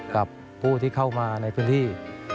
กับผู้ที่เข้ามาในพื้นที่